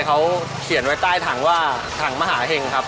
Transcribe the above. เขาเขียนไว้ใต้ถังว่าถังมหาเห็งครับ